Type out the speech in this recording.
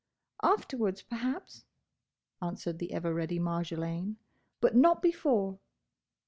"Afterwards, perhaps," answered the ever ready Marjolaine, "but not before."